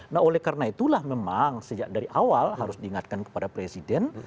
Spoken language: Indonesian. nah oleh karena itulah memang sejak dari awal harus diingatkan kepada presiden